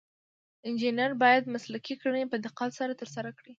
انجینر باید مسلکي کړنې په دقت ترسره کړي.